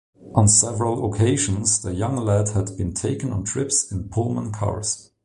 On several occasions the young lad had been taken on trips in Pullman cars.